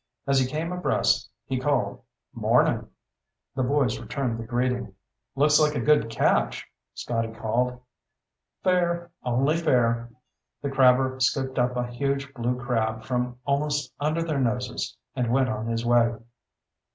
As he came abreast, he called, "Mornin'." The boys returned the greeting. "Looks like a good catch," Scotty called. "Fair. Only fair." The crabber scooped up a huge blue crab from almost under their noses and went on his way.